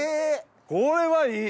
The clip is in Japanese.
これはいい！